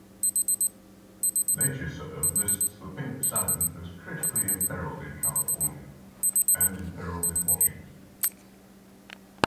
NatureServe lists the pink salmon as critically imperiled in California, and imperiled in Washington.